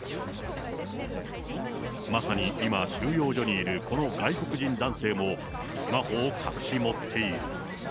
まさに今、収容所にいるこの外国人男性も、スマホを隠し持っている。